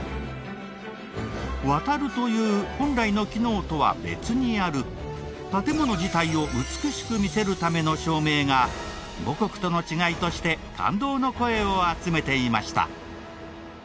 「渡る」という本来の機能とは別にある建もの自体を美しく見せるための照明が母国との違いとして感動の声を集めていました。